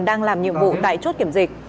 đang làm nhiệm vụ tại chốt kiểm dịch